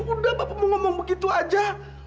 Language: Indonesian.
udah bapak mau ngomong begitu aja